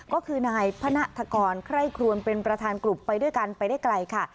ก็คือนายพนัฐกรไคร่ครวนเป็นประธานกลุ่มไปด้วยกันไปได้ไกลค่ะ